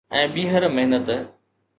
۽ ٻيهر محنت